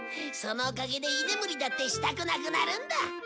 そのおかげで居眠りだってしたくなくなるんだ。